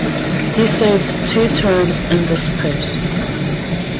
He served two terms in this post.